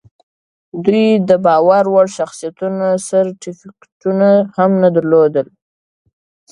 دوی د باور وړ شخصیت سرټیفیکټونه هم نه درلودل